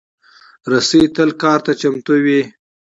رسۍ تل کار ته چمتو وي.